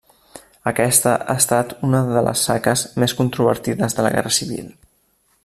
Aquesta ha estat una de les 'saques' més controvertides de la Guerra Civil.